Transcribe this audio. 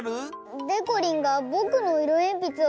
でこりんがぼくのいろえんぴつを